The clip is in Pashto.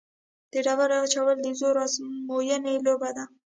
د ډبرې اچول د زور ازموینې لوبه ده.